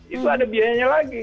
itu ada biayanya lagi